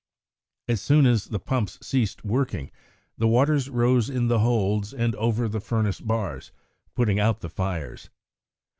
As soon as the pumps ceased working the waters rose in the holds and over the furnace bars, putting out the fires.